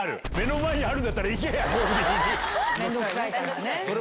面倒くさいからね。